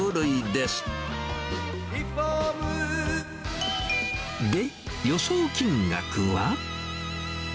で、予想金額は？